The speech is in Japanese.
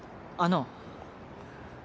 あの